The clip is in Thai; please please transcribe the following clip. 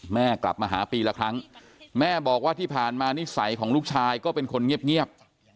แม่กลับมาหาปีละครั้งแม่บอกว่าที่ผ่านมานิสัยของลูกชายก็เป็นคนเงียบ